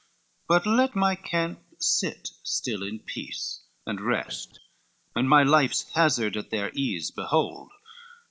LXI "But let my camp sit still in peace and rest, And my life's hazard at their ease behold.